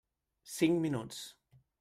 Cinc minuts.